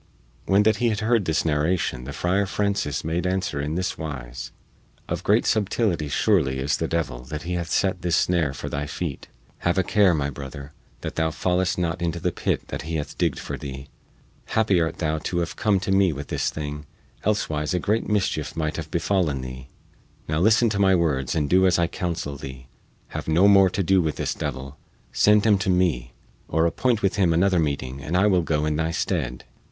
When that he had heard this narration the Friar Francis made answer in this wise: "Of great subtility surely is the devil that he hath set this snare for thy feet. Have a care, my brother, that thou fallest not into the pit which he hath digged for thee! Happy art thou to have come to me with this thing, elsewise a great mischief might have befallen thee. Now listen to my words and do as I counsel thee. Have no more to do with this devil; send him to me, or appoint with him another meeting and I will go in thy stead."